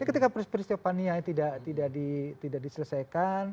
tapi ketika peristiwa pani ayunan tidak diselesaikan